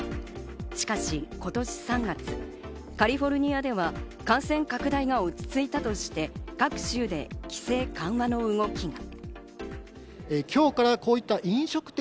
しかし今年３月、カリフォルニアでは感染拡大が落ち着いたとして、各州で規制緩和の動きが。